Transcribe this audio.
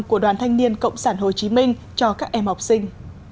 của đoàn thanh niên cộng sản hồ chí minh cho các em học sinh